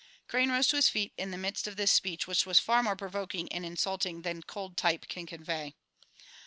Crane rose to his feet in the midst of this speech, which was far more provoking and insulting than cold type can convey.